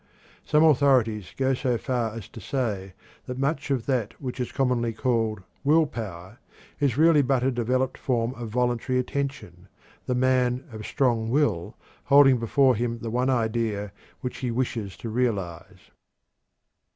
Some authorities go so far as to say that much of that which is commonly called "will power" is really but a developed form of voluntary attention, the man of "strong will" holding before him the one idea which he wishes to realize.